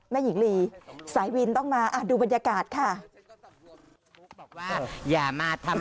แม่หญิงลีสายวินต้องมาดูบรรยากาศค่ะ